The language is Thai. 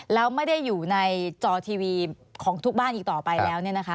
แล้วไม่ได้อยู่ในจอทีวีของทุกบ้านอีกต่อไปแล้ว